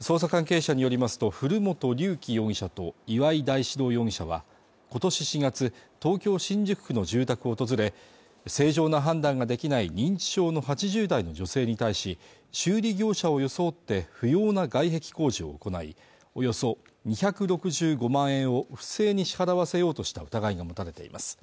捜査関係者によりますと古本竜希容疑者と岩井大史朗容疑者は今年４月東京新宿区の住宅を訪れ正常な判断ができない認知症の８０代の女性に対し修理業者を装って不要な外壁工事を行いおよそ２６５万円を不正に支払わせようとした疑いが持たれています